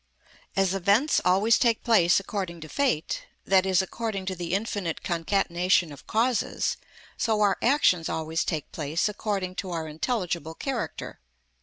As events always take place according to fate, i.e., according to the infinite concatenation of causes, so our actions always take place according to our intelligible character.